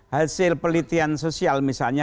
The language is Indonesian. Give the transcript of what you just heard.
hasil pelitian sosial misalnya